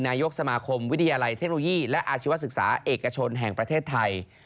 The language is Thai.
นายกสมาคมวิทยาลัยเทคโนโลยีและอาชีวศึกษาเอกชนแห่งประเทศไทย